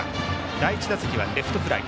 第１打席はレフトフライ。